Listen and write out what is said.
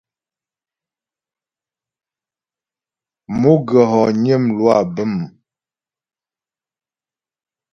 Mo ghə̀ hɔgnə lwâ bə̀m.